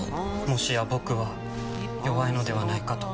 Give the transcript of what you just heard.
もしや僕は弱いのではないかと。